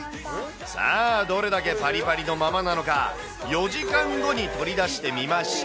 さあ、どれだけぱりぱりのままなのか、４時間後に取り出してみました。